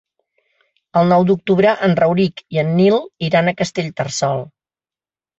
El nou d'octubre en Rauric i en Nil iran a Castellterçol.